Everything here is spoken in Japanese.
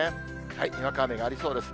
にわか雨がありそうです。